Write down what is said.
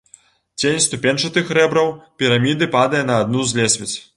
Цень ступеньчатых рэбраў піраміды падае на адну з лесвіц.